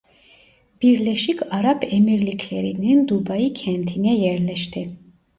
Birleşik Arap Emirlikleri'nin Dubai kentine yerleşti.